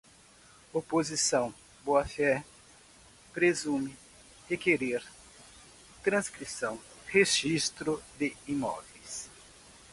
oposição, boa-fé, presume, requerer, transcrição, registro de imóveis